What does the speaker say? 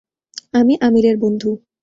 আমি আমিরের বন্ধু।